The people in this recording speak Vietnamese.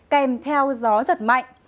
kèm theo gió giật mạnh